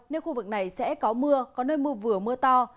nên khu vực này sẽ có mưa có nơi mưa vừa mưa to